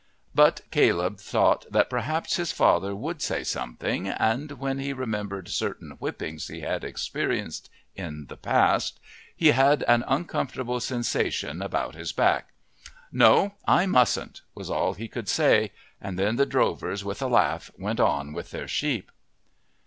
But Caleb thought that perhaps his father would say something, and when he remembered certain whippings he had experienced in the past he had an uncomfortable sensation about his back. "No, I mustn't," was all he could say, and then the drovers with a laugh went on with their sheep.